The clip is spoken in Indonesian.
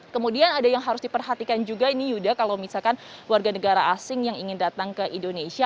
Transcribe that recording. kemudian ada yang harus diperhatikan juga ini yuda kalau misalkan warga negara asing yang ingin datang ke indonesia